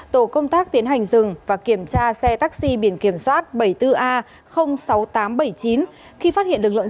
tổ công tác tiến hành dừng và kiểm tra xe taxi biển kiểm soát bảy mươi bốn a sáu nghìn tám trăm bảy mươi chín khi phát hiện lực lượng